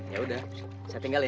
ya udah saya tinggal ya